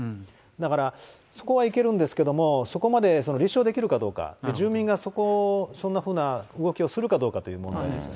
だから、そこはいけるんですけれども、そこまで立証できるかどうか、住民がそこ、そんなふうな動きをするかどうかという問題がありますね。